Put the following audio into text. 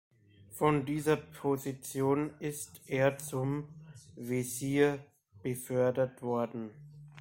Von dieser Position ist er zum „Wesir“ befördert worden.